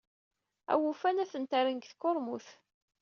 Awufan ad ten-rren ɣer tkurmut.